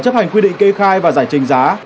chấp hành quy định kê khai và giải trình giá